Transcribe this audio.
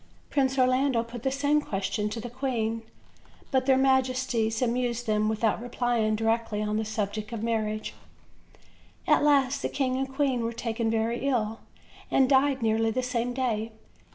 Prince Orlando put the same question to the queen, but their majesties OLD, OLD FAIRY TALES. amused them without replying directly on the subject of the marriage. At last the king and queen were taken very ill, and died nearly the same day.